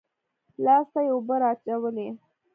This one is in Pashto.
لاس ته يې اوبه رااچولې.